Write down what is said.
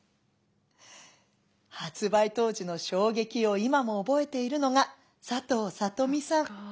発売当時の衝撃を今も覚えているのが佐藤里美さん。